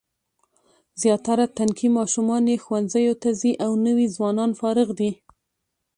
زیاتره تنکي ماشومان یې ښوونځیو ته ځي او نوي ځوانان فارغ دي.